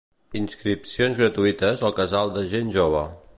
Inscripcions gratuïtes al casal de gent jove.